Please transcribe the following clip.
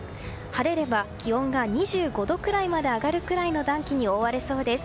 晴れれば気温が２５度くらいまで上がるほどの暖気に覆われそうです。